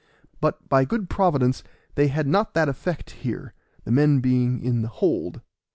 But, by good Providence, they had not that effect here, the men being in the hold.